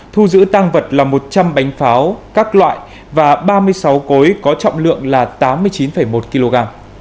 thu giữ tăng vật là một trăm linh bánh pháo các loại và ba mươi sáu cối có trọng lượng là tám mươi chín một kg